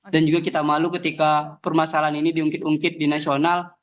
dan juga kita malu ketika permasalahan ini diungkit ungkit di nasional